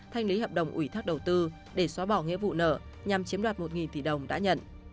thanh lý hợp đồng ủy thác đầu tư để xóa bỏ nghĩa vụ nợ nhằm chiếm đoạt một tỷ đồng đã nhận